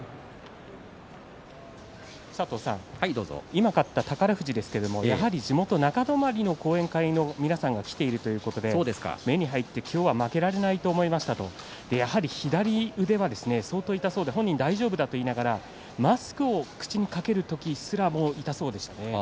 今勝った宝富士ですがやはり地元、中泊の後援会の皆さんが来ているということで目に入って今日は負けられないと思いましたとやはり左腕は相当痛そうで、本人大丈夫だと言いながらもマスクを口にかける時ですらも痛そうでした。